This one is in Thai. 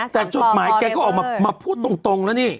แต่จดหมายแกก็ออกมาพูดตรงแล้วนี่